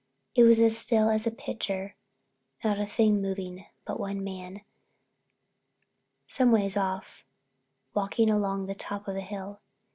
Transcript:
It was as still as a picture, not a thing moving, but one man, someways off, walking along the top of a hill.